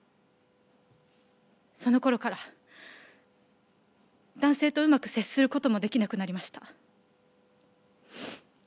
その頃から男性とうまく接する事も出来なくなりました。